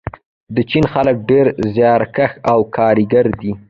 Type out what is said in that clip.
د چین خلک ډېر زیارکښ او کاري دي.